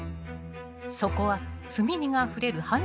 そこは積み荷があふれる煩雑な現場。